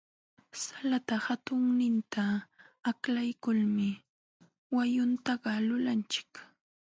Salata hatunninta aklaykulmi wayunkata lulanchik.